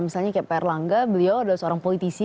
misalnya kayak pak erlangga beliau adalah seorang politisi